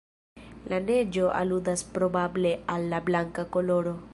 La neĝo aludas probable al la blanka koloro.